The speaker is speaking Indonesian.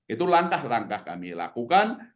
itu langkah langkah kami lakukan